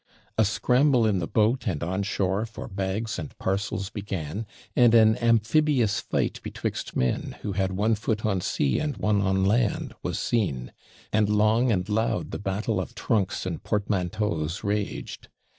A scramble in the boat and on shore for bags and parcels began, and an amphibious fight betwixt men, who had one foot on sea and one on land, was seen; and long and loud the battle of trunks and portmanteaus raged!